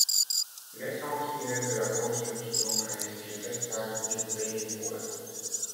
L'essentiel de la construction a été fait par des bénévoles.